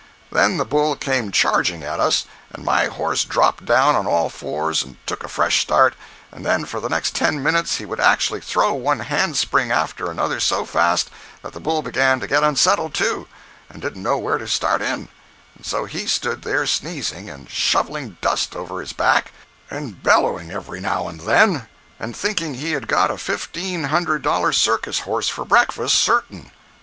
Then the bull came charging at us, and my horse dropped down on all fours and took a fresh start—and then for the next ten minutes he would actually throw one hand spring after another so fast that the bull began to get unsettled, too, and didn't know where to start in—and so he stood there sneezing, and shovelling dust over his back, and bellowing every now and then, and thinking he had got a fifteen hundred dollar circus horse for breakfast, certain.